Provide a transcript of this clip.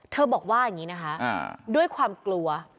บอกว่าอย่างนี้นะคะด้วยความกลัว